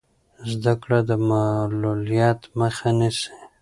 زده کړه د معلولیت مخه نه نیسي.